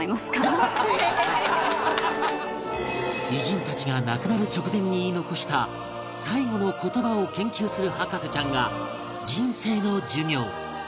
偉人たちが亡くなる直前に言い残した最期の言葉を研究する博士ちゃんが人生の授業